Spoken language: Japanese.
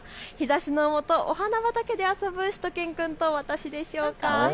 日ざしのもと、お花畑で遊ぶしゅと犬くんと私でしょうか。